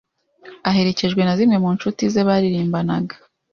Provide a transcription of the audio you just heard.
aherekejwe na zimwe mu nshuti ze baririmbanaga